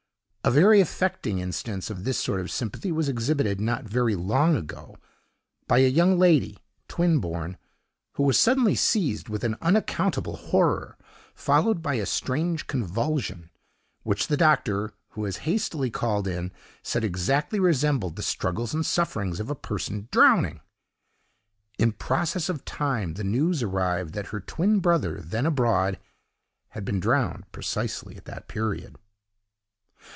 A very affecting instance of this sort of sympathy was exhibited, not very long ago, by a young lady, twin born, who was suddenly seized with an unaccountable horror, followed by a strange convulsion, which the doctor, who was hastily called in, said exactly resembled the struggles and sufferings of a person drowning. In process of time, the news arrived that her twin brother, then abroad, had been drowned precisely at that period.